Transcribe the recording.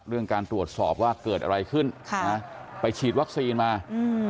เรื่องการตรวจสอบว่าเกิดอะไรขึ้นค่ะนะไปฉีดวัคซีนมาอืม